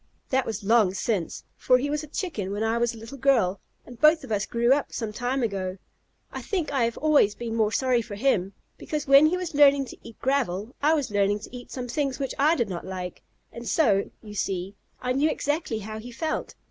That was long since, for he was a Chicken when I was a little girl, and both of us grew up some time ago. I think I have always been more sorry for him because when he was learning to eat gravel I was learning to eat some things which I did not like; and so, you see, I knew exactly how he felt.